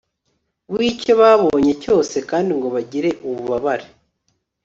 wicyo babonye cyose kandi ngo bagire ububabare